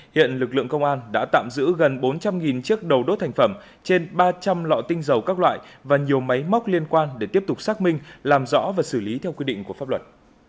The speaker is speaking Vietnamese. hiện lực lượng công an đã tạm giữ gần bốn trăm linh chiếc đầu đốt thành phẩm trên ba trăm linh lọ tinh dầu các loại và nhiều máy móc liên quan để tiếp tục xác minh làm rõ và xử lý theo quy định của pháp luật